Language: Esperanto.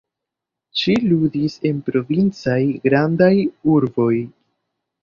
Ŝi ludis en provincaj grandaj urboj.